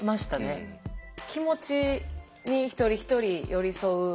気持ちに一人一人寄り添う。